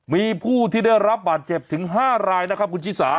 มีผู้ที่ได้รับบาดเจ็บถึง๕รายนะครับคุณชิสา